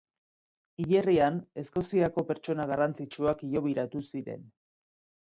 Hilerrian Eskoziako pertsona garrantzitsuak hilobiratu ziren.